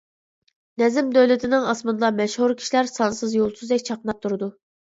نەزم دۆلىتىنىڭ ئاسمىنىدا مەشھۇر كىشىلەر سانسىز يۇلتۇزدەك چاقناپ تۇرىدۇ.